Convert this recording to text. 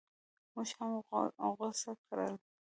موږ هم غوڅ کړل.